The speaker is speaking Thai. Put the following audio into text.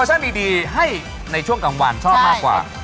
ชั่นดีให้ในช่วงกลางวันชอบมากกว่า